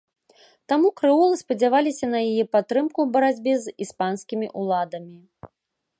Таму крэолы спадзяваліся на яе падтрымку ў барацьбе з іспанскімі ўладамі.